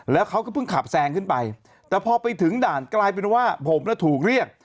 แล้วเขาก็เพิ่งขับแซงขึ้นไปแต่พอไปถึงด่านกลายเป็นว่าผมถูกเรียก